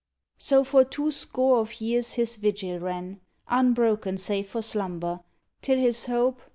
So for two score of years his vigil ran. Unbroken save for slumber, till his hope.